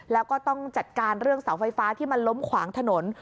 แล้วก็ต้องจัดการเรื่องเสาไฟฟ้าที่มันล้มขวางถนน